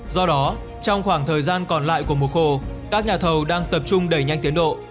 do đó trong khoảng thời gian còn lại của mùa khô các nhà thầu đang tập trung đẩy nhanh tiến độ